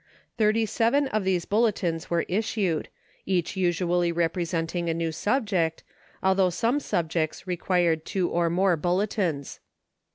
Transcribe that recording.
Thirty seven of these bulletins were issued, each usually representing a new subject, although some subjects re quired two or more bulletins.